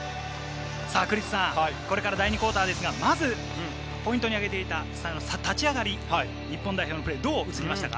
クリスさん、これから第２クオーター、まずポイントに挙げていた立ち上がり、日本代表のプレーはいかがでしたか？